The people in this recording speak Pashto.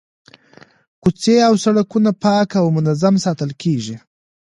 کوڅې او سړکونه پاک او منظم ساتل کیږي.